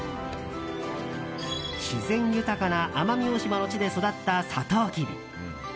自然豊かな奄美大島の地で育ったサトウキビ。